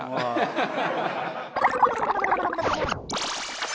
ハハハハ！